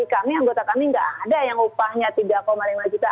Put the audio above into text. kami anggota kami tidak ada yang upahnya tiga lima juta